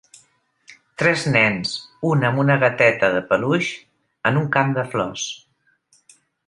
Tres nens, un amb una gateta de peluix, en un camp de flors.